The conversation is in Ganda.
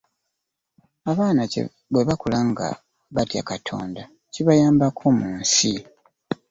Abaana bwe bakula nga batya Katonda kibayambako mu nsi.